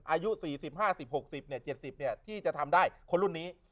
อายุ๔๐๕๐๖๐๗๐ที่จะทำได้คนรุ่นนี้